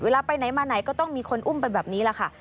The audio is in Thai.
ไปไหนมาไหนก็ต้องมีคนอุ้มไปแบบนี้แหละค่ะ